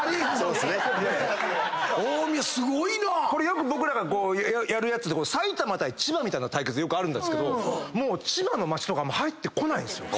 よく僕らがやるやつで埼玉対千葉みたいな対決よくあるんですけど千葉の街とかも入ってこないんすよ。